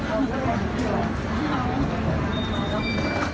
ก็ไปรายงานหมอบ็อตตรอล